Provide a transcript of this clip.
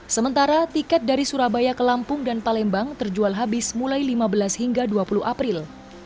sementara tiket dari surabaya ke lampung dan palembang terjual habis mulai lima belas hingga dua puluh april